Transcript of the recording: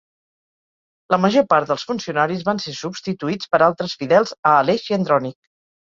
La major part dels funcionaris van ser substituïts per altres fidels a Aleix i Andrònic.